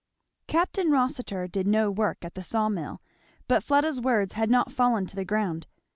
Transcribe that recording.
Capt. Rossitur did no work at the saw mill. But Fleda's words had not fallen to the ground.